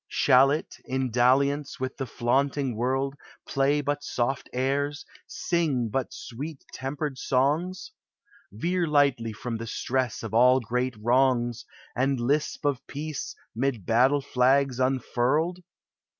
shall it, in dalliance with the flaunting world, Play but Bofl airs, sing but sweet tempered Veer lightly from the stress of all great wron And lisp of peace 'mid battte flaga unfurled?